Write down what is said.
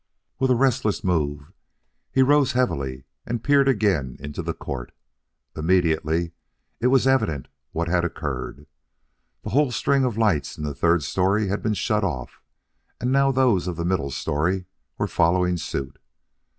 With a restless move, he rose heavily and peered again into the court. Immediately it was evident what had occurred. The whole string of lights in the third story had been shut off, and now those of the middle story were following suit.